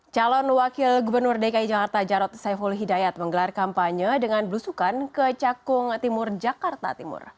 calon wakil gubernur dki jakarta jarod saiful hidayat menggelar kampanye dengan belusukan ke cakung timur jakarta timur